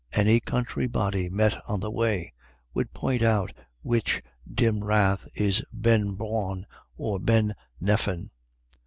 Any country body met on the way would point out which dim wraith is Ben Bawn or Ben Nephin.